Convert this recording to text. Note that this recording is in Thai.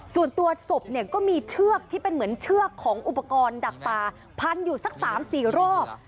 ส่วนตัวศพเนี่ยก็มีเชือกที่เป็นเหมือนเชือกของอุปกรณ์ดักปลาพันอยู่สัก๓๔รอบ